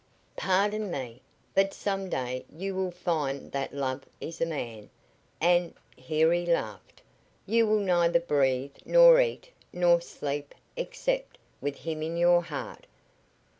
"Pardon me, but some day you will find that love is a man, and" here he laughed "you will neither breathe, nor eat, nor sleep except with him in your heart.